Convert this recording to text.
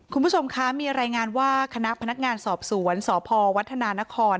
คุณผู้ชมคะมีรายงานว่าคณะพนักงานสอบสวนสพวัฒนานคร